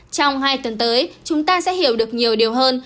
trong hai tuần tới chúng ta sẽ hiểu được nhiều điều hơn